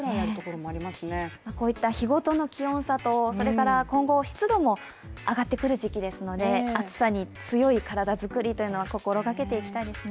こういった日ごとの気温差と今後、湿度も上がってくる時期ですので暑さに強い体作りというのを心がけていきたいですね。